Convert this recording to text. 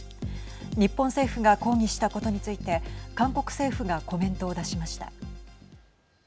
日本政府が抗議したことについて韓国政府がコメントを出しました。